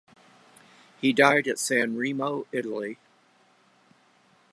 He died at Sanremo, Italy.